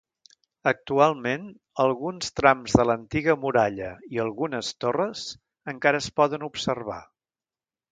Actualment alguns trams de l'antiga muralla i algunes torres encara es poden observar.